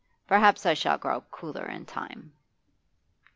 Perhaps I shall grow cooler in time.